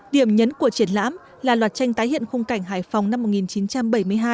điểm nhấn của triển lãm là loạt tranh tái hiện khung cảnh hải phòng năm một nghìn chín trăm bảy mươi hai